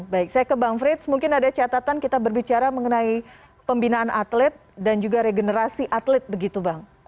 baik saya ke bang frits mungkin ada catatan kita berbicara mengenai pembinaan atlet dan juga regenerasi atlet begitu bang